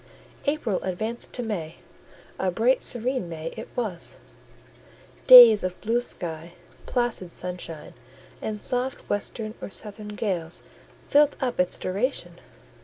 April advanced to May: a bright serene May it was; days of blue sky, placid sunshine, and soft western or southern gales filled up its duration.